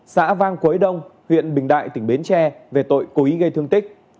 xã vang quế đông huyện bình đại tỉnh bến tre về tội cố ý gây thương tích